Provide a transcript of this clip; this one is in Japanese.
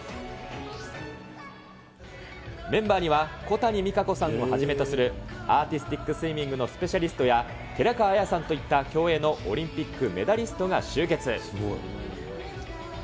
メンバーには小谷実可子さんをはじめとするアーティスティックスイミングのスペシャリストや、寺川綾さんといった競泳のオリンやってる。